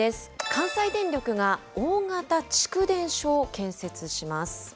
関西電力が大型蓄電所を建設します。